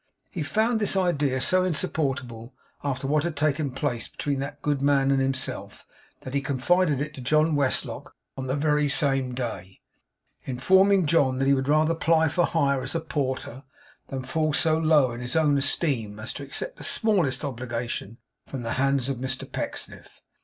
He found this idea so insupportable after what had taken place between that good man and himself, that he confided it to John Westlock on the very same day; informing John that he would rather ply for hire as a porter, than fall so low in his own esteem as to accept the smallest obligation from the hands of Mr Pecksniff.